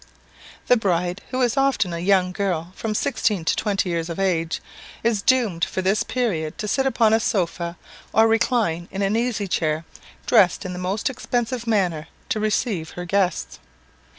The bride, who is often a young girl from sixteen to twenty years of age, is doomed for this period to sit upon a sofa or reclined in an easy chair, dressed in the most expensive manner, to receive her guests.